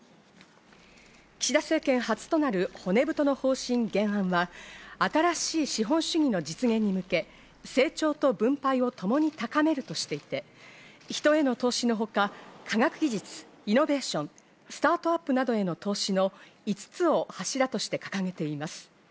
岸田政権初となる骨太の方針原案は、新しい資本主義の実現に向け、成長と分配をともに高めるとしていて、人への投資のほか、科学技術・イノベーション、スタートアップなどへの投資の５つを柱として掲げています。